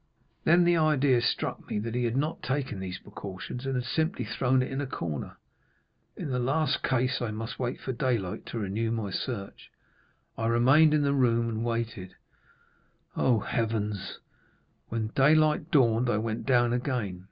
Then the idea struck me that he had not taken these precautions, and had simply thrown it in a corner. In the last case I must wait for daylight to renew my search. I remained in the room and waited." "Oh, Heaven!" 30271m When daylight dawned I went down again.